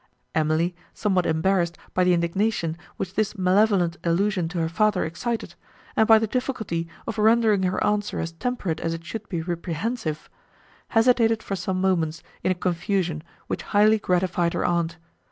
Emily, somewhat embarrassed by the indignation, which this malevolent allusion to her father excited, and by the difficulty of rendering her answer as temperate as it should be reprehensive, hesitated for some moments, in a confusion, which highly gratified her aunt.